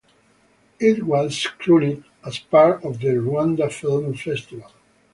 It was screened as part of the Rwanda Film Festival.